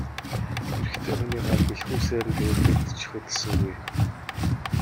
Эрэгтэй хүний гар бэлхүүсээр нь тэврэхэд ч хөдөлсөнгүй.